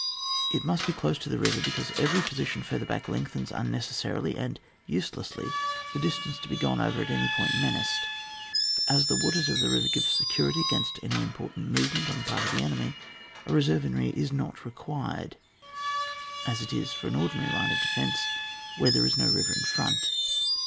It must be close to the river, because every position further back lengthens unnecessarily and uselessly the distance to be gone over to any point menaced ; for as the waters of the river give security against any important movement on the part of the enemy, a reserve in rear is not required, as it is for an ordinary line of defence, where there is no river in front.